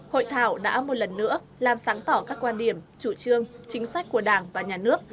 hội thảo đã một lần nữa làm sáng tỏ các quan điểm chủ trương chính sách của đảng và nhà nước